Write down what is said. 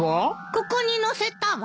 ここに乗せたわ。